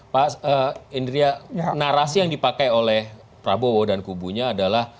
pak indria narasi yang dipakai oleh prabowo dan kubunya adalah